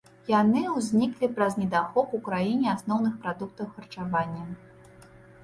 Яны ўзніклі праз недахоп у краіне асноўных прадуктаў харчавання.